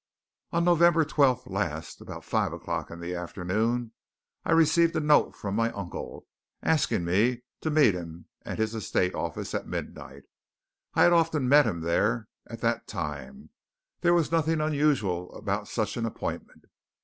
"'"On November 12th last, about five o'clock in the afternoon, I received a note from my uncle, asking me to meet him at his estate office, at midnight. I had often met him there at that time there was nothing unusual about such an appointment.